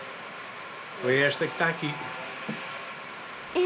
え！